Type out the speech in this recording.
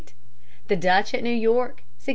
The Dutch at New York 1613.